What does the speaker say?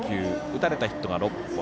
打たれたヒットが６本。